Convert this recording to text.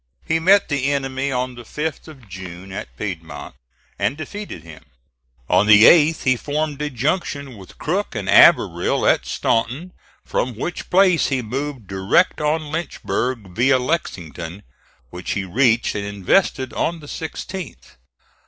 He met the enemy on the 5th of June at Piedmont, and defeated him. On the 8th he formed a junction with Crook and Averell at Staunton, from which place he moved direct on Lynchburg, via Lexington, which he reached and invested on the 16th.